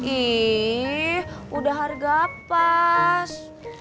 ih udah harga pas